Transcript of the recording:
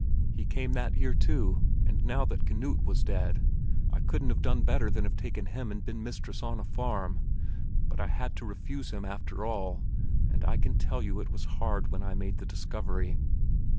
He came that year too, and now that Knut was dead, I couldn't have done better than have taken him and been mistress of a farm; but I had to refuse him after all, and I can tell you it was hard when I made the discovery.